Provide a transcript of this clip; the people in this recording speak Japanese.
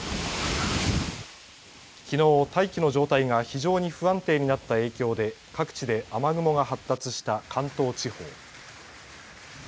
きのう大気の状態が非常に不安定になった影響で各地で雨雲が発達した関東地方。